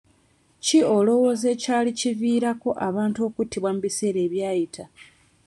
Ki olowooza ekyali kiviirako abantu okuttibwa mu biseera ebyayita?